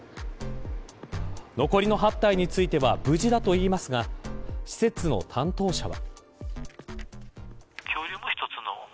残りの８体については無事だといいますが施設の担当者は。